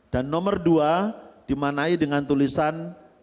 dan nomor dua dimanai dengan tulisan dua